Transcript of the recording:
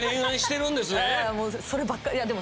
そればっかりでも。